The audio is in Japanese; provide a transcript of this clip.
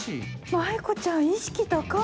舞子ちゃん意識高っ。